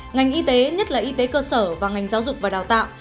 ngành y tế nhất là y tế cơ sở và ngành giáo dục và đào tạo